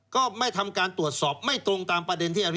ก็ไม่ทำการตรวจสอบไม่ตรงตามประเด็นที่อันนี้